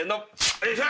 よいしょ。